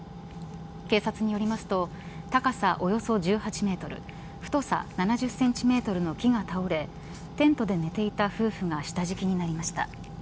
警察によりますと高さおよそ１８メートル太さ７０センチメートルの木が倒れテントで寝ていた夫婦が下敷きになりました。